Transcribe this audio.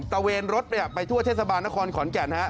เวนรถไปทั่วเทศบาลนครขอนแก่น